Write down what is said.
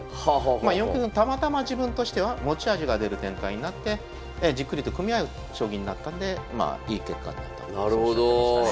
まあたまたま自分としては持ち味が出る展開になってじっくりと組み合う将棋になったんでいい結果になったとそうおっしゃってましたね。